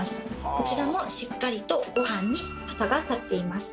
こちらもしっかりとごはんに旗が立っています。